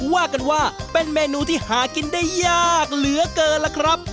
ว่ากันว่าเป็นเมนูที่หากินได้ยากเหลือเกินล่ะครับ